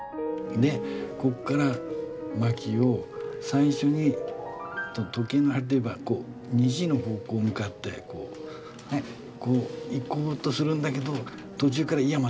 でここから巻きを最初に時計の針でいえば２時の方向に向かってこうこう行こうとするんだけど途中からいや待て。